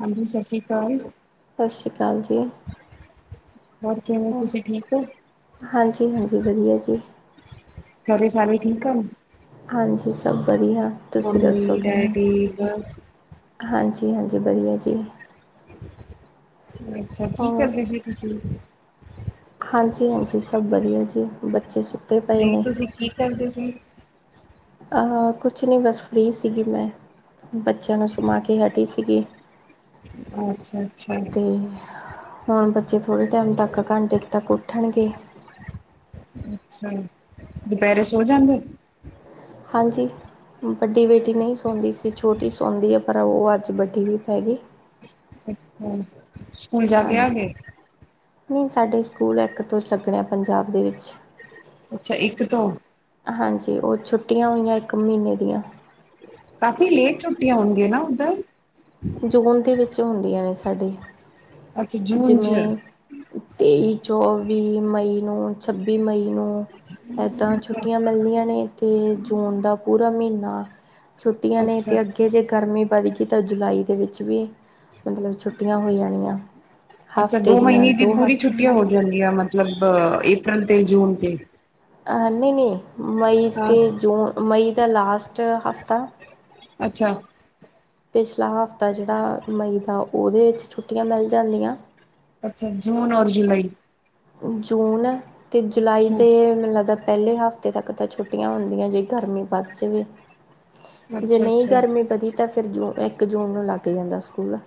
ਹਾਂਜੀ ਸਤਿ ਸ੍ਰੀ ਅਕਾਲ। ਸਤਿ ਸ਼੍ਰੀ ਅਕਾਲ ਜੀ। ਹੋਰ ਕਿਵੇਂ ਤੁਸੀਂ ਠੀਕ ਹੋ? ਹਾਂਜੀ- ਹਾਂਜੀ ਵਧੀਆ ਜੀ। ਘਰੇ ਸਾਰੇ ਠੀਕ ਹਨ। ਹਾਂਜੀ ਸਭ ਵਧੀਆ ਤੁਸੀਂ ਦੱਸੋ ਮੰਮੀ ਕਿਵੇਂ? ਡੈਡੀ ਬਸ ਹਾਂਜੀ- ਹਾਂਜੀ ਵਧੀਆ ਜੀ। ਅੱਛਾ ਕੀ ਹੋਰ ਕਰਦੇ ਸੀੇ ਤੁਸੀਂ? ਹਾਂਜੀ -ਹਾਂਜੀ ਸਭ ਵਧੀਆ ਜੀ, ਬੱਚੇ ਸੁੱਤੇ ਪਏ ਨੇ ਕਰਦੇਜ਼ [unintelligible] ਆ ਕੁਛ ਨਹੀਂ, ਬਸ ਫਰੀ ਸੀਗੀ ਮੈਂ ਬੱਚਿਆਂ ਨੂੰ ਸਮਮਾ ਕੇ ਹਟੀ ਸੀਗੀ ਅੱਛਾ ਅੱਛਾ। ਅਤੇ ਹੁਣ ਬੱਚੇ ਥੋੜੇ ਟਾਈਮ ਤੱਕ ਘੰਟੇ ਤੱਕ ਉੱਠਣਗੇ। ਅੱਛਾ ਦੁਪਹਿਰੇ ਸੋ ਜਾਂਦੇ? ਹਾਂਜੀ। ਵੱਡੀ ਬੇਟੀ ਨਹੀਂ ਸੌਂਦੀ ਸੀ, ਛੋਟੀ ਸੌਂਦੀ ਹੈ ਪਰ ਉਹ ਅੱਜ ਵੱਡੀ ਵੀ ਪੈ ਗਈ। ਅੱਛਾ ਸਕੂਲ ਜਾ ਕੇ ਆ ਹਾਂਜੀ ਗਏ ਨਹੀਂ ਸਾਡੇ ਸਕੂਲ ਇੱਕ ਤੋਂ ਲੱਗਣੇ ਆ ਪੰਜਾਬ ਦੇ ਵਿੱਚ। ਅੱਛਾ ਇੱਕ ਤੋਂ ਹਾਂਜੀ ਉਹ ਛੁੱਟੀਆਂ ਹੋਈਆਂ ਇੱਕ ਮਹੀਨੇ ਦੀਆਂ ਕਾਫੀ ਲੇਟ ਛੁਟੀਆਂ ਹੁੰਦੀਆਂ ਨਾ ਉੱਧਰ? ਜੂਨ ਦੇ ਵਿੱਚ ਹੁੰਦੀਆਂ ਨੇ ਸਾਡੇ ਅੱਛਾ ਜੂਨ ਚ ਜਿਵੇਂ ਤੇਈ ਚੌਵੀ ਮਈ ਨੂੰ ਛੱਬੀ ਮਈ ਨੂੰ ਇੱਦਾਂ ਛੁੱਟੀਆਂ ਮਿਲਦੀਆਂ ਨੇ ਅਤੇ ਜੂਨ ਦਾ ਪੂਰਾ ਮਹੀਨਾ ਛੁੱਟੀਆਂ ਨੇ ਅੱਛਾ ਤੇ ਅੱਗੇ ਜੇ ਗਰਮੀ ਵਧ ਗਈ ਤਾਂ ਜੁਲਾਈ ਦੇ ਵਿੱਚ ਵੀ ਮਤਲਬ ਛੁੱਟੀਆਂ ਹੋ ਜਾਣੀਆਂ, ਅੱਛਾ ਹਫਤੇ ਦੋ ਦੀਆਂ ਮਹੀਨੇ ਦੀ ਦੋ ਪੂਰੀ ਹਫਤੇ ਛੁੱਟੀਆਂ ਹੋ ਜਾਂਦੀਆਂ ਮਤਲਬ ਇਹਪ੍ਰਲ ਤੇ ਜੂਨ ਤੇ ਨਹੀਂ ਨੀ ਮਈ ਹਾਂ ਤੇ ਜੂਨ ਮਈ ਦਾ ਲਾਸਟ ਹਫ਼ਤਾ ਅੱਛਾ ਪਿਛਲਾ ਹਫ਼ਤਾ ਜਿਹੜਾ ਮਈ ਦਾ, ਉਹਦੇ ਵਿੱਚ ਛੁੱਟੀਆਂ ਮਿਲ ਜਾਂਦੀਆਂ। ਅੱਛਾ ਜੂਨ ਔਰ ਜੁਲਾਈ। ਜੂਨ ਅਤੇ ਜੁਲਾਈ ਤੇ ਮੈਨੂ ਲੱਗਦਾ ਪਹਿਲੇ ਹਫ਼ਤੇ ਤੱਕ ਤਾਂ ਛੁੱਟੀਆਂ ਹੁੰਦੀਆਂ ਜੇ ਗਰਮੀ ਵੱਧ ਜਾਵੇ। ਜੇ ਨਈ ਅੱਛਾ-ਅੱਛਾ, ਗਰਮੀ ਵਧੀ ਤਾਂ, ਫਿਰ ਜੂ ਇੱਕ ਜੂਨ ਨੂੰ ਲੱਗ ਜਾਂਦਾ ਸਕੂਲ।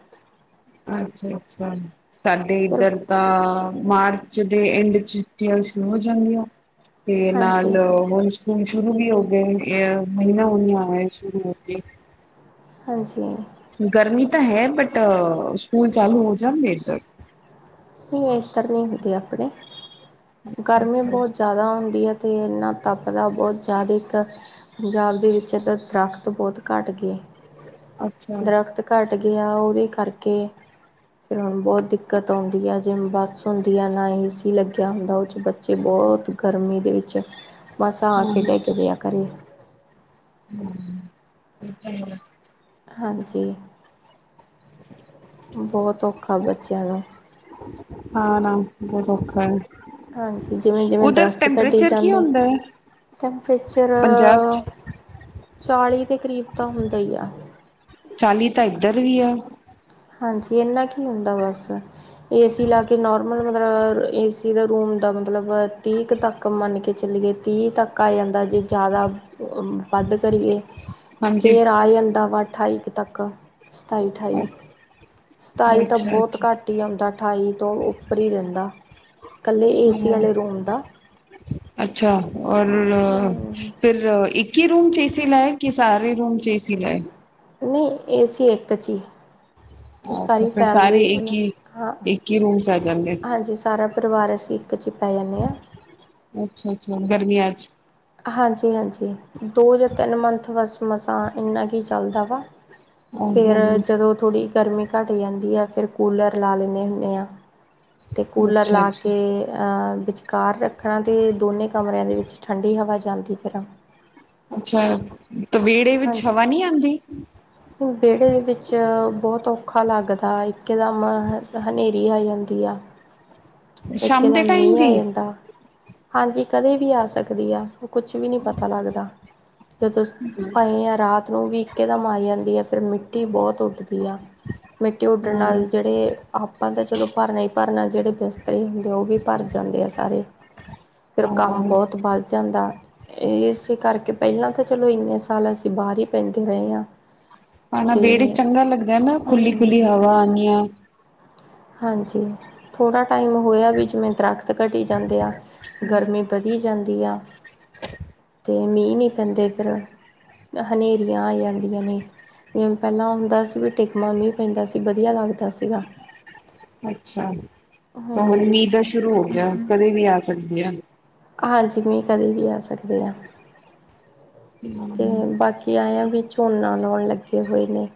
ਅੱਛਾ-ਅੱਛਾ ਸਾਡੇ ਪਰ ਇੱਧਰ ਤਾਂ ਮਾਰਚ ਦੇ ਐਂਡ ਚ ਛੁਟਿਆਂ ਸ਼ੁਰੂ ਹੋ ਜਾਂਦੀਆਂ। ਤੇ ਹਾਂਜੀ ਨਾਲ ਹੁਣ ਸਕੂਲ ਸ਼ੁਰੂ ਵੀ ਹੋਗੇ, ਏ ਮਹੀਨਾ ਹੋਣ ਨੂੰ ਆਯਾ ਸ਼ੁਰੂ ਹੋ ਕੇ। ਹਾਂਜੀ। ਗਰਮੀ ਤਾਂ ਹੈ ਬਟ, ਸਕੂਲ ਚਾਲੂ ਹੋ ਜਾਂਦੇ ਏੱਧਰ। ਨਈ ਇੱਤਰ ਨੀ ਹੁੰਦੀ ਆਪਣੇ। ਗਰਮੀ ਅੱਛਾ-ਅੱਛਾ, ਬੋਹਤ ਜ਼ਿਆਦਾ ਹੁੰਦੀ ਹੈ, ਤੇ ਇੰਨਾ ਤੱਪਦਾ ਬੋਹਤ ਜ਼ਿਆਦਾ ਇੱਕ ਪੰਜਾਬ ਦੇ ਵਿੱਚ ਤਾਂ ਦਰਖਤ ਬੋਤ ਘੱਟ ਗੇ, ਅੱਛਾ ਦਰਖਤ ਘੱਟ ਗੀਯਾ, ਓਦੇ ਕਰਕੇ ਫਿਰ ਹੁਣ ਬੋਤ ਦਿੱਕਤ ਹੁਦੀ ਆ, ਜਿਵੇਂ ਬੱਸ ਹੁੰਦੀ ਆ ਨਾ ਏ ਸੀ ਲੱਗਿਆ ਹੁੰਦਾ ਬੱਚੇ ਬੋਹਤ ਗਰਮੀ ਦੇ ਵਿੱਚ, ਬਸ ਆ ਕੇ ਹਾਂ-ਹਾਂ। ਡਿੱਗਦੇ ਆ ਘਰੇ। [unintelligible] ਹਾਂਜੀ, ਬੋਹਤ ਔਖਾ ਬੱਚਿਆਂ ਦਾ। ਆਣਾ, ਬੋਹਤ ਔਖਾਂ ਐ। ਹਾਂਜੀ, ਜਿਵੇਂ-ਜਿਵੇਂ ਉਧਰ ਦਰਖਤ ਘਟੀ ਟੈਂਪਰੇਚਰ ਕੀ ਜਾਂਦੇ ਹੁੰਦਾ ਐ? ਟੈਂਪਰੇਚਰ, ਪੰਜਾਬ 'ਚ ਚਾਲੀ ਦੇ ਕਰੀਬ ਦਾ ਹੁੰਦਾ ਈ ਆ। ਚਾਲੀ ਤਾਂ ਇੱਧਰ ਵੀ ਆ। ਹਾਂਜੀ, ਇੰਨਾ ਕੀ ਹੁੰਦਾ ਬਸ। ਏਸੀ ਲਾ ਕੇ ਨੋਰਮਲ ਮਤਲਬ, ਏਸੀ ਦਾ ਰੂਮ ਦਾ ਮਤਲਬ ਤੀਕ ਤੱਕ ਮੰਨ ਕੇ ਚੱਲੀਏ ਤੀਹ ਤੱਕ ਆ ਜਾਂਦਾ, ਜੇ ਜ਼ਿਆਦਾ ਵੱਧ ਕਰੀਏ ਹਾਂਜੀ। ਫੇਰ ਆ ਜਾਂਦਾ ਵਾ ਅਠਾਈ ਤੱਕ, ਸਤਾਈ-ਅਠਾਈ। ਸਤਾਈ ਤਾਂ ਬੋਤ ਅੱਛਾ-ਅੱਛਾ, ਘੱਟ ਈ ਆਉਂਦਾ ਅਠਾਈ ਤੋਂ ਉੱਪਰ ਈ ਰੈੰਦਾ। ਕੱਲੇ ਏ ਸੀ ਆਲੇ ਰੂਮ ਦਾ। ਅੱਛਾ ਔਰ, ਹੂੰ ਫਿਰ ਇੱਕ ਈ ਚ ਰੂਮ ਚੇਸੀ ਲਾਏ, ਕੇ ਸਾਰੇ ਰੂਮ ਚ ਏਸੀ ਲਾਏ। ਨਈ ਏਸੀ ਏਕ ਚ ਈ। ਤੇ ਸਾਰੀ ਫੈਮਿਲੀ ਓ ਹਾਂ ਜਾਈ ਜਾਂਦੇ। ਹਾਂਜੀ ਸਾਰਾ ਪਰਵਾਰ ਅਸੀਂ ਇੱਕ ਚ ਈ ਪੈ ਜਾਂਣੇ ਆ। ਅੱਛਾ-ਅੱਛਾ ਗਰਮੀਆਂ ਚ ਹਾਂਜੀ-ਹਾਂਜੀ, ਦੋ ਜਾਂ ਤਿੰਨ ਮੰਥ ਬਸ ਮਸਾਂ ਇੰਨਾ ਕੀ ਚੱਲਦਾ ਵਾ। ਫੇਰ ਆਹੋ ਜਦੋਂ ਥੋੜ੍ਹੀ ਗਰਮੀ ਘੱਟ ਜਾਂਦੀ ਐ ਫੇਿਰ ਕੂਲਰ ਲਾ ਲੈਂਣੇ ਹੁਣੇ ਆ। ਤੇ ਕੂਲਰ ਅੱਛਾ ਲਾ ਅੱਛਾ ਕੇ ਅਹ, ਵਿਚਕਾਰ ਰੱਖਣਾ ਤੇ ਦੋਨੇ ਕਮਰਿਆਂ ਦੇ ਵਿੱਚ ਠੰਡ ਡੀ ਹਵਾ ਚੱਲਦੀ ਫਿਰ। ਅੱਛਾ, ਤੇ ਵੇੜੇ ਵਿੱਚ ਹਵਾ ਨੀ ਆਂਦੀ। ਵੇੜੇ ਦੇ ਵਿੱਚ ਬੋਹਤ ਔਖਾ ਲੱਗਦਾ, ਇੱਕਦਮ ਹਨੇਰੀ ਆ ਜਾਂਦੀ ਆ। ਇੱਕ ਸ਼ਾਮ ਇਹ ਦਾ ਦੇ ਟਾਈਮ ਮੀਂਹ ਆ ਵੀ ਜਾਂਦਾ। ਹਾਂਜੀ ਕਦੇ ਵੀ ਆ ਸਕਦੀ ਆ, ਓ ਕੁਛ ਵੀ ਨੀ ਪਤਾ ਲੱਗਦਾ ਜਦੋ ਹਾਂ ਰਾਤ ਨੂੰ ਵੀ ਇੱਕਦਮ ਆ਼ ਜਾਂਦੀ ਐ ਫੇਿਰ ਮਿੱਟੀ ਬੋਤ ਉੱਡਦੀ ਆ, ਮਿੱਟੀ ਉੱਡਣ ਨਾਲ ਜੇੜੇ ਆਪਾਂ ਤਾਂ ਚਲੋ ਪਰਨਾ ਈ ਪਰਨਾ ਜੇੜੇ ਬਿਸਤਰੇ ਹੁੰਦੇ ਆ ਓ ਵੀ ਪਰ ਜਾਂਦੇ ਆ ਸਾਰੇ। ਫਿਰ ਕੰਮ ਹਾਂ ਬੋਤ ਵੱਧ ਜਾਂਦਾ, ਏਸੇ ਕਰਕੇ ਪੈਲਾਂ ਤਾਂ ਚਲੋ ਇੰਨੇ ਸਾਲ ਅਸੀਂ ਬਾਰ ਈ ਪੈਂਦੇ ਰਹੇ ਆਂ। ਹਾ ਨਾ ਵਿਹੜੇ‌ ਵਿਚ ਚੰਗਾ ਲੱਗਦਾ ਨਾ, ਖੁੱਲੀ ਖੁੱਲੀ ਹਮ ਹਵਾ ਆਂਨੀ ਆ। ਹਾਂਜੀ ਥੋੜ੍ਹਾ ਟਾਈਮ ਹੋਇਆ ਵੀ ਜਿਵੇਂ ਦਰੱਖਤ ਘਟੀ ਜਾਂਦੇ ਆ, ਗਰਮੀ ਵਧੀ ਜਾਂਦੀ ਆ, ਤੇ ਮੀਂਹ ਨੀ ਪੈਂਦੇ ਫਿਰ ਹਨੇਰੀਆਂ ਆ ਜਾਂਦੀਆਂ ਨੇ ਜਿਵੇਂ ਪਹਿਲਾਂ ਹੁੰਦਾ ਸੀ, ਵੀ ਟਿਕਮਾ ਮੀਂਹ ਪੈਂਦਾ ਸੀ ਵਧੀਆ ਲੱਗਦਾ ਸੀਗਾ ਅੱਛਾ ਤਾਂ ਹਮ ਹੁਣ ਮੀਂਹ ਦਾ ਸ਼ੁਰੂ ਹੋ ਗਿਆ, ਕਦੇ ਵੀ ਆ ਸਕਦੀ ਆ ਹਾਂਜੀ ਮੀਂਹ ਕਦੇ ਵੀ ਆ ਸਕਦੇ ਆਂ, ਤੇ ਬਾਕੀ ਕਿ ਆਇਆਂ ਵੀ ਝੋਨਾ ਲਾਉਣ ਲੱਗੇ ਹੋਏ ਨੇ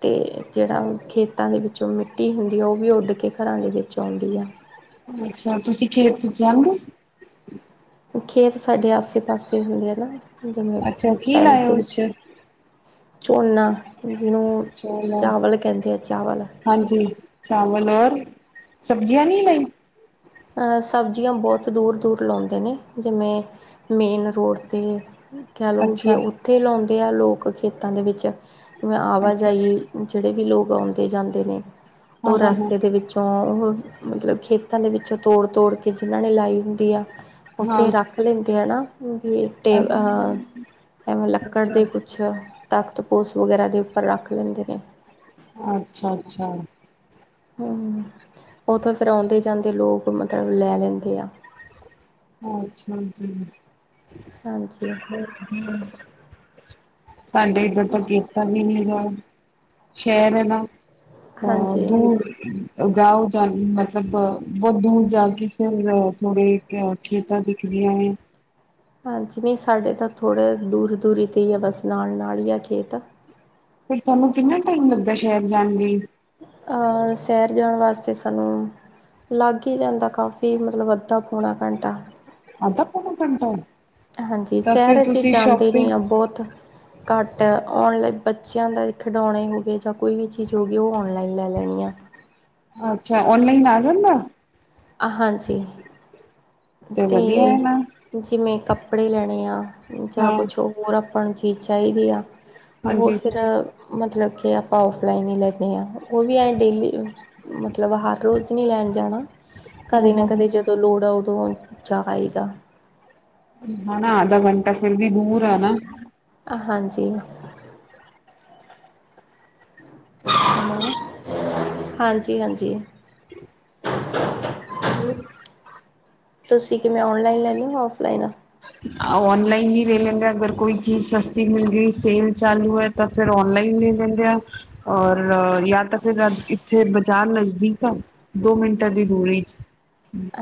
ਤੇ ਜਿਹੜਾ ਖੇਤਾਂ ਦੇ ਵਿੱਚੋਂ ਮਿੱਟੀ ਹੁੰਦੀ ਆ ਉਹ ਵੀ ਉੱਡ ਕੇ ਘਰਾਂ ਦੇ ਵਿੱਚ ਆਉਂਦੀ ਆ ਅੱਛਾ ਤੁਸੀਂ ਖੇਤ ਚ ਜਾਂਦੇ ਕੁੱਛ ਖੇਤ ਸਾਡੇ ਆਸੇ ਪਾਸੇ ਹੁੰਦੇ ਐ ਨਾ ਜਿਵੇਂ ਅੱਛਾ ਕੀ ਪਹਿਨਟ ਲਾਇਆ ਦੇ ਉਸ ਵਿੱਚ ਚ ਝੋਨਾ ਜਿਹਨੂੰ ਚੋਲ ਚਾਵਲ ਕਹਿੰਦੇ ਆ ਚਾਵਲ ਹਾਂਜੀ ਚਾਵਲ ਔਰ ਸਬਜ਼ੀਆਂ ਨਹੀਂ ਲਾਈ ਹਾਂ ਸਬਜ਼ੀਆਂ ਬਹੁਤ ਦੂਰ ਦੂਰ ਲਾਉਂਦੇ ਨੇ, ਜਿਵੇਂ ਮੇਨ ਰੋਡ 'ਤੇ ਕਹਿ ਲਓ, ਵੀ ਅੱਛਾ ਉੱਥੇ ਲਾਉਂਦੇ ਆ ਲੋਕ ਖੇਤਾਂ ਦੇ ਵਿੱਚ, ਜਿਵੇਂ ਅੱਛਾ ਆਵਾਜਾਈ ਜਿਹੜੇ ਵੀ ਲੋਕ ਆਉਂਦੇ ਜਾਂਦੇ ਨੇ ਹਾਂ ਉਹ ਹਾਂ ਹਾਂ ਰਸਤੇ ਦੇ ਵਿੱਚ ਤੋਂ ਉਹ ਮਤਲਬ ਖੇਤਾਂ ਦੇ ਵਿੱਚੋਂ ਤੋੜ ਤੋੜ ਕੇ ਜਿਹਨਾਂ ਨੇ ਲਾਈ ਹੁੰਦੀ ਆ ਉੱਥੇ ਹਾਂ ਰੱਖ ਲੈਂਦੇ ਆ ਨਾ, ਵੀ ਅੱਛਾ ਅਹ ਐਵੇਂ ਲੱਕੜ ਅੱਛਾ ਦੇ ਕੁਛ ਕੁਛ, ਤਾਖ਼ਤ ਪੋਸ ਵਗੈਰਾ ਦੇ ਉੱਪਰ ਰੱਖ ਲੈਂਦੇ ਨੇ ਅੱਛਾ ਅੱਛਾ ਹੂੰ, ਉੱਥੋਂ ਫੇਰ ਆਉਂਦੇ ਜਾਂਦੇ ਲੋਕ ਮਤਲਬ ਲੈ ਲੈਂਦੇ ਆ ਅੱਛਾ ਜੀ ਹਾਂਜੀ [unintelligible] ਸਾਡੇ ਇੱਧਰ ਤਾਂ ਕੀਤਾ ਵੀ ਨਹੀਂ ਗਾ ਸ਼ਹਿਰ ਹੈ ਨਾ ਤਾਂ ਹਾਂਜੀ [unintelligible] ਜਾਓ ਜਾ ਮਤਲਬ ਬਹੁਤ ਦੂਰ ਜਾ ਕੇ ਫਿਰ ਥੋੜੇ ਤੇ ਹੋਰ ਖੇਤਾਂ ਦਿਖਦੀਆਂ ਨੇ ਹਾਂਜੀ ਨਹੀਂ ਸਾਡੇ ਤਾਂ ਥੋੜ੍ਹੇ ਦੂਰ ਦੂਰ ਈ ਕਹਿਏ, ਬਸ ਨਾਲ ਨਾਲ ਹੀ ਆ ਖੇਤ ਫਿਰ ਤੁਹਾਨੂੰ ਕਿੰਨਾ ਟਾਈਮ ਲੱਗਦਾ ਸ਼ਹਿਰ ਜਾਣ ਲਈ ਅਹ ਸ਼ੈਹਰ ਜਾਣ ਵਾਸਤੇ ਸਾਨੂੰ ਲੱਗ ਹੀ ਜਾਂਦਾ ਕਾਫੀ ਮਤਲਬ ਅੱਧਾ ਪੌਣਾ ਘੰਟਾ ਅੱਧਾ ਪੋਣਾ ਘੰਟਾ ਹਾਂਜੀ ਤਾਂ ਸ਼ਹਿਰ ਫਿਰ ਅਸੀਂ ਤੁਸੀਂ ਜਾਂਦੇ ਸ਼ੋਪਿੰਗ ਨਹੀ ਆਂ, ਬਹੁਤ ਘੱਟ ਔਨਲਾਈਨ, ਬੱਚਿਆਂ ਦਾ ਖਿਡੌਣੇ ਹੋ ਗਏ ਜਾਂ ਕੋਈ ਵੀ ਚੀਜ਼ ਹੋ ਗਈ ਉਹ ਔਨਲਾਈਨ ਲੈ ਲੈਣੀ ਆ ਅੱਛਾ ਔਨਲਾਈਨ ਆ ਜਾਂਦਾ ਹਾਂਜੀ [unintelligible] ਵਧੀਆ ਹੈ ਤੇ ਨਾ ਜਿਵੇਂ ਕੱਪੜੇ ਲੈਣੇ ਆ ਜਾਂ ਹਾਂ ਕੁਛ ਹੋ ਹੋਰ ਆਪਾਂ ਨੂੰ ਚੀਜ਼ ਚਾਹੀਦੀ ਆ, ਉਹ ਹਾਂਜੀ ਫਿਰ ਮਤਲਬ ਕਿ ਆਪਾਂ ਓਫਲਾਈਨ ਹੀ ਲੈਦੇ ਹਾਂ, ਉਹ ਵੀ ਐ ਡੇਲੀ ਮਤਲਬ ਹਰ ਰੋਜ਼ ਨਹੀਂ ਲੈਣ ਜਾਣਾ, ਹਾਂ ਕਦੇ ਨਾ ਹਾਂ ਕਦੇ ਜਦੋਂ ਲੋੜ ਆ ਸੋ [unintelligible] ਆਣਾ ਅਧਾ ਘੰਟਾ ਫਿਰ ਵੀ ਦੂਰ ਐ ਨਾ ਹਾਂਜੀ [unintelligible] [unintelligible] ਹਾਂਜੀ- ਹਾਂਜੀ। [unintelligible] [unintelligible] ਤੁਸੀਂ ਕਿਵੇਂ ਔਨਲਾਈਨ ਲੈਂਦੇ ਹੋ ਔਫਲਾਈਨ ਆ। ਔਨਲਾਈਨ ਵੀ ਲੈ ਲੈਂਦੇ ਆ ਅਗਰ ਕੋਈ ਚੀਜ਼ ਸਸਤੀ ਮਿਲ ਗਈ ਸੇਲ ਚਾਲੂ ਏ। ਤਾਂ ਫੇਰ ਔਨਲਾਈਨ ਲੈ ਲੈਂਦੇ ਆ। ਔਰ ਯਾ ਤਾਂ ਫੇਰ ਇੱਥੇ ਬਾਜ਼ਾਰ ਨਜ਼ਦੀਕ ਆ। ਦੋ ਮਿੰਟਾਂ ਦੀ ਦੂਰੀ ਚ।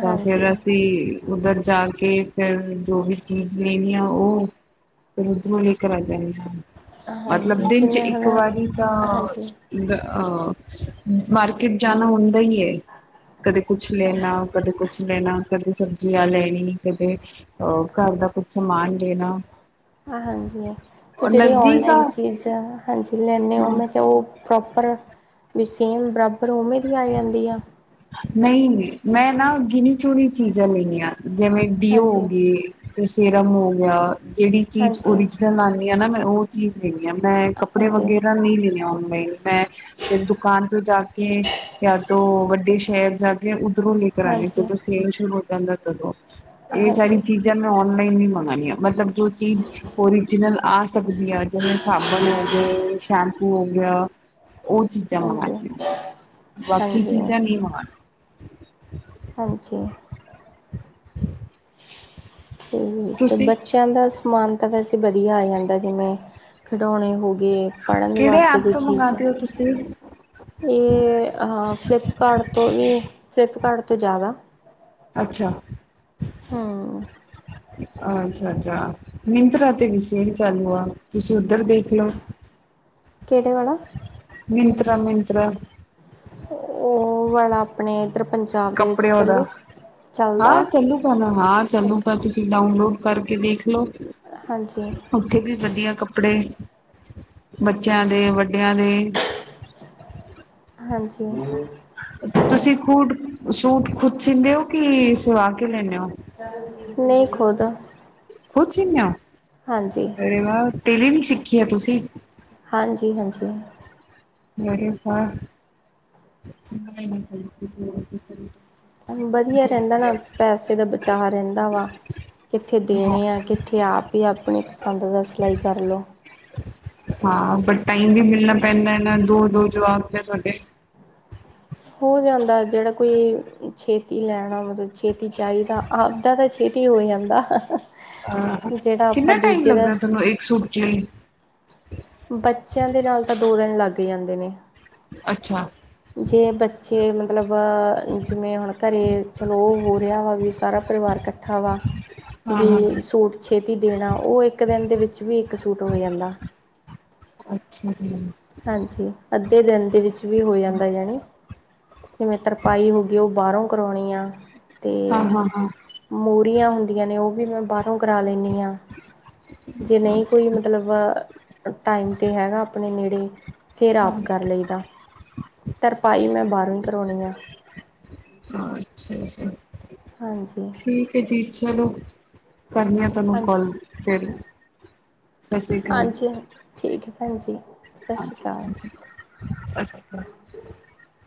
ਤਾਂ ਫੇਰ ਹਾਂਜੀ ਅਸੀਂ ਉੱਧਰ ਜਾ ਕੇ ਫੇਰ ਜੋ ਵੀ ਚੀਜ਼ ਲੈਂਨੀ ਆ ਓਹ ਉਦਰੋ ਲੇ ਕਰ ਆ ਜਾਂਦੇ ਆ। ਮਤਲਬ ਹਾਂਜੀ ਦਿਨ ਚ ਜਿਵੇਂ ਇੱਕ ਹੁਣ ਵਾਰੀ ਤਾਂ ਹਾਂਜੀ ਅਹ ਮਾਰਕਿਟ ਜਾਣਾ ਹੁੰਦਾ ਹੀ ਹੈ, ਕਦੇ ਕੁਛ ਲੈਣਾ ਕਦੇ ਕੁਛ ਲੈਣਾ, ਕਦੇ ਸਬਜ਼ੀਆਂ ਲੈਣੀ, ਕਦੇ ਉਹ ਘਰ ਦਾ ਕੁਛ ਸਮਾਨ ਲੈਣਾ। ਹਾਂਜੀ ਏ ਤੇ ਔਰ ਜਿਹੜੀ ਨਜ਼ਦੀਕ ਆ ਔਨਲਾਈਨ ਚੀਜ਼ਾਂ ਹਾਂਜੀ ਲੈਂਦੇ ਹੋ, ਮੈਂ ਕਿਹਾ ਉਹ ਪ੍ਰੋਪਰ ਵੀ ਸੇਮ ਬਰਾਬਰ ਉਵੇਂ ਦੀ ਆ ਜਾਂਦੀ ਆ। ਨਹੀਂ ਮੈਂ ਨਾ ਗਿਨੀ ਚੁਣੀ ਚੀਜ਼ਾਂ ਲੈਨੀਆਂ ਜਿਵੇਂ ਡੀਓ ਹੋ ਹਾਂਜੀ ਗੇ। ਤੇ ਸਿਰਮ ਹੋ ਗਿਆ, ਜਿਹੜੀ ਚੀਜ਼ ਹਾਂਜੀ ਹਾਂਜੀ ਓਰੀਜਨਲ ਆਉਂਦੀ ਆ ਨਾ ਮੈਂ ਉਹ ਚੀਜ਼ ਲੈਣੀ ਆ, ਮੈਂ ਕੱਪੜੇ ਹਾਂਜੀ ਵਗੈਰਾ ਨਹੀਂ ਲੈਂਦੀ ਔਨਲਾਈਨ। ਮੈਂ ਫੇਰ ਦੁਕਾਨ ਤੋਂ ਜਾ ਕੇ ਜਾਂ ਤੋਂ ਵੱਡੇ ਸ਼ਹਿਰ ਜਾ ਕੇ ਉੱਧਰੋਂ ਲੈ ਪੁਰਾਣੀ ਤੋਂ ਹਾਂਜੀ ਜਦੋਂ ਸੇਲ ਸ਼ੁਰੂ ਹੋ ਜਾਂਦਾ ਤਾਂਦੋ, ਏ ਸਾਰੀ ਹਾਂਜੀ ਚੀਜ਼ ਮੈਂ ਔਨਲਾਈਨ ਹੀ ਮੰਗਣੀਆਂ ਮਤਲਬ ਜੋ ਚੀਜ਼ ਓਰੀਜਨਲ ਅ- ਸਕਦੀ ਹੈ ਜਿਵੇਂ ਸਾਬਣ ਹੋ ਗਏ, ਸ਼ੈਂਪੂ ਹੋ ਗਿਆ। ਉਹ ਚੀਜ਼ਾਂ ਮੰਗਉਣੀਆਂ, ਬਾਕੀ ਹਾਂਜੀ ਚੀਜ਼ਾਂ ਨਹੀਂ ਮੰਗਉਣੀਆਂ। ਹਾਂਜੀ। ਠੀਕ ਹੈ ਬੱਚੇ- ਤੁਸੀਂ ਬੱਚਿਆਂ ਦਾ ਸਮਾਨ ਤਾਂ ਵੈਸੇ ਵਧੀਆ ਆ ਜਾਂਦਾ, ਜਿਵੇਂ ਖਿਡੌਣੇ ਹੋ ਗਏ। ਪੜਨ ਕਿਹੜੇ ਵਾਸਤੇ ਐਪ ਕੋਈ ਤੋਂ ਚੀਜ਼ ਆ। ਮੰਗਾਦੇ ਹੋ ਤੁਸੀਂ? ਇਹ ਫਲਿੱਪਕਾਰਟ ਤੋਂ ਵੀ ਫਲਿੱਪਕਾਰਟ ਤੋਂ ਜ਼ਿਆਦਾ ਅੱਛਾ। ਹੂੰ। ਅੱਛਾ- ਅੱਛਾ ਮਿੱਤਰਾ ਤੇ ਵਿ ਸ਼ੇਲ ਚਾਲੂ ਆ, ਤੁਸੀਂ ਉੱਧਰ ਦੇਖ ਲਓ। ਕਿਹੜੇ ਵਾਲਾ? ਮਿਨਤਰਾ -ਮਿਨਤਰਾ। ਉਹ ਵਾਲਾ ਆਪਣੇ ਇਧਰ ਪੰਜਾਬ ਦੇ ਵਿੱਚ ਕੱਪੜਿਆਂ ਦਾ। ਚੱਲੂ। ਚੱਲਦਾ ਹਾਂ ਚੱਲੂਗਾ ਨਾ ਹਾਂ ਓਕੇ ਚੱਲੂਗਾ ਤੁਸੀਂ ਡਾਊਨਲੋਡ ਕਰਕੇ ਦੇਖਲਓ। ਹਾਂਜੀ। ਉੱਥੇ ਵੀ ਵਧੀਆ ਕੱਪੜੇ, ਬੱਚਿਆਂ ਦੇ, ਵੱਡਿਆਂ ਦੇ ਹਾਂਜੀ। ਤੁਸੀਂ ਖੂਟ ਸੂਟ ਖੁਦ ਸੀਦੇ ਹੋ, ਕਿ ਸਵਾ ਕੇ ਲੈਂਦੇ ਹੋ? ਨਹੀਂ ਖੁਦ। ਖੁਦ ਸਿੰਦੀਆਂ ਹਾਂਜੀ ਉਹ ਅਰੇ ਵਾਓ, ਟੇਲਰਿੰਗ ਸਿੱਖੀ ਆ ਤੁਸੀਂ? ਹਾਂਜੀ- ਹਾਂਜੀ। ਅਰੇ ਵਾਹ, ਕਿੱਥੋਂ ਦਿਮਾਗ ਲਿਆਂਦਾ ਅੰਦਰ ਈ ਰਹਿੰਦਾ ਨਾ, ਪੈਸੇ ਦਾ ਬਚਾਅ ਰਹਿੰਦਾ ਵਾ ਕਿੱਥੇ ਦੇਣੇ ਆ, ਕਿੱਥੇ ਆਪ ਹੀ ਆਪਣੀ ਪਸੰਦ ਦਾ, ਸਿਲਾਈ ਕਰ ਲਓ ਹਾਂ ਬ ਟਾਈਮ ਵੀ ਮਿਲਣਾ ਪੈਂਦਾ ਹੈ, ਨਾ ਦੋ -ਦੋ ਜਵਾਕ ਨੇ ਤੁਹਾਡੇ ਹੋ ਜਾਂਦਾ, ਜਿਹੜਾ ਕੋਈ ਛੇਤੀ ਲੈਣਾ, ਮਤਲਬ ਛੇਤੀ ਚਾਹੀਦਾ ਆਪਦਾ ਤਾਂ ਛੇਤੀ ਹੀ ਹੋ ਜਾਂਦਾ ਅਹ, ਜਿਹੜਾ ਆਪਾਂ ਕਿੰਨਾ ਟਾਈਮ ਦੂਜੇ ਦਾ ਲੱਗਦਾ ਤੁਹਾਨੂੰ, ਇੱਕ ਸੂਟ ਲਈ ਬੱਚਿਆਂ ਦੇ ਨਾਲ, ਤਾਂ ਦੋ ਦਿਨ ਲੱਗ ਜਾਂਦੇ ਨੇ ਅੱਛਾ। ਜੇ ਬੱਚੇ ਮਤਲਬ ਜਿਵੇਂ ਹੁਣ, ਘਰੇ ਚਲੋ ਉਹ ਹੋ ਰਿਹਾ ਵਾ, ਵੀ ਸਾਰਾ ਪਰਿਵਾਰ ਇਕੱਠਾ ਵਾ ਹਾਂ ਹਾਂ ਵੀ ਸੂਟ ਛੇਤੀ ਦੇਣਾ, ਉਹ ਇੱਕ ਦਿਨ ਦੇ ਵਿੱਚ ਵੀ ਇੱਕ ਸੂਟ ਹੋ ਜਾਂਦਾ ਅੱਛਾ ਜੀ। ਹਾਂਜੀ, ਅੱਧੇ ਦਿਨ ਦੇ ਵਿੱਚ ਵੀ ਹੋ ਜਾਂਦਾ, ਜਾਣੀ ਜਿਵੇਂ ਤਰਪਾਈ ਹੋਗੀ, ਉਹ ਬਾਹਰੋਂ ਕਰਾਓਣੀ ਆ, ਤੇ ਹਾਂ ਹਾਂ ਹਾਂ ਮੂਰੀਆਂ ਹੁੰ ਹੁੰਦੀਆਂ ਨੇ, ਉਹ ਵੀ ਮੈਂ ਬਾਹਰੋਂ ਕਰਾ ਲੈਂਨੀ ਆਂ ਜੇ ਨਹੀਂ ਕੋਈ ਅੱਛਾ ਮਤਲਬ, ਟਾਈਮ ਤੇ ਹੈਗਾ ਆਪਣੇ ਨੇੜੇ ਫੇਰ ਆਪ ਹਾਂ ਕਰ ਲਈਦਾ, ਤਰਪਾਈ 'ਮੈਂ 'ਬਾਹਰੋਂ ਕਰਾਉਣੀ ਆ ਹ ਅੱਛਾ, ਸਹੀ ਹਾਂਜੀ ਠੀਕ ਹੈ ਜੀ ਚਲੋ, ਕਰਨੀ ਆ ਤੁਹਾਨੂੰ ਹਾਂਜੀ ਕੌਲ ਫਿਰ ਸਤਿ ਸ੍ਰੀ ਅਕਾਲ।, ਹਾਂਜੀ ਠੀਕ ਹੈ ਭੈਣ ਜੀ ਸਤਿ ਅੱਛਾ, ਸ਼੍ਰੀ ਅੱਛਾ ਅਕਾਲ -ਅੱਛਾ ਸਤਿ ਸ੍ਰੀ ਅਕਾਲ [inaudible] [inaudible]